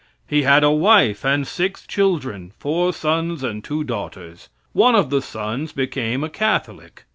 He had a wife and six children, four sons and two daughters. One of the sons became a Catholic.